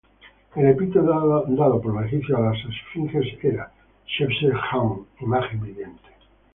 El epíteto dado por los egipcios a las esfinges era "shesep-anj", "imagen viviente".